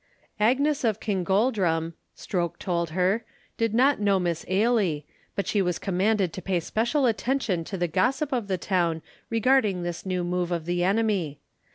Agnes of Kingoldrum (Stroke told her) did not know Miss Ailie, but she was commanded to pay special attention to the gossip of the town regarding this new move of the enemy.